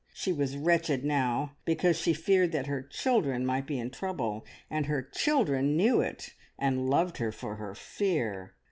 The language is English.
She was wretched now because she feared that her "children" might be in trouble, and her "children" knew it, and loved her for her fear.